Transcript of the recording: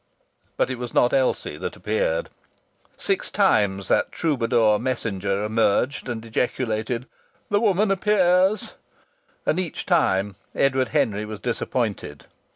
But it was not Elsie that appeared. Six times that troubadour messenger emerged and ejaculated, "The Woman appears," and each time Edward Henry was disappointed.